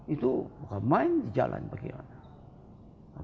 itu bukan main di jalan bagaimana